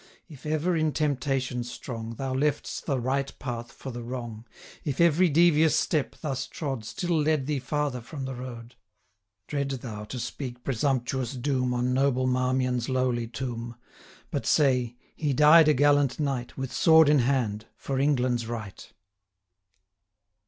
If ever, in temptation strong, Thou left'st the right path for the wrong; 1140 If every devious step, thus trod, Still led thee farther from the road; Dread thou to speak presumptuous doom On noble Marmion's lowly tomb; But say, 'He died a gallant knight, 1145 With sword in hand, for England's right.'